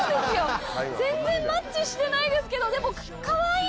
全然マッチしてないですけどでもかわいい！